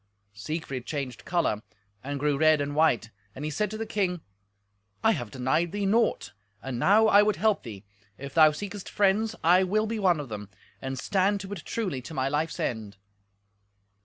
Siegfried changed colour, and grew red and white, and he said to the king, "I have denied thee naught, and now I would help thee. If thou seekest friends, I will be one of them, and stand to it truly to my life's end."